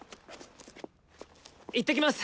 行ってきます！